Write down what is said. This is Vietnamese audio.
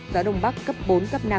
gió đông bắc cấp bốn cấp năm